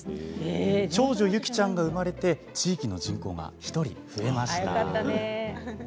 長女・ゆきちゃんが生まれ地域の人口が１人増えました。